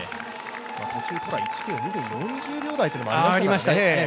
途中トラ１ｋｍ２４秒台っていうのがありましたからね。